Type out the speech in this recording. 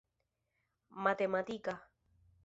matematika